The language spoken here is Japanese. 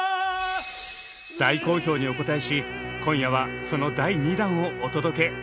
大好評にお応えし今夜はその第二弾をお届け！